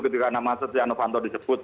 ketika nama setia novanto disebut